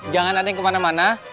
jangan ada yang kemana mana